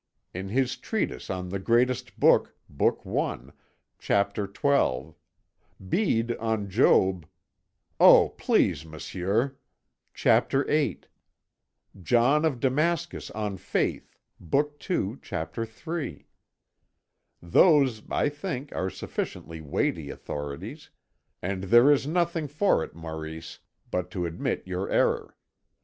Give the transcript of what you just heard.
"In his treatise on The Greatest Good, Book I, Chapter XII; Bede on Job " "Oh, please, Monsieur ..." "Chapter VIII; John of Damascus on Faith, Book II, Chapter III. Those, I think, are sufficiently weighty authorities, and there is nothing for it, Maurice, but to admit your error.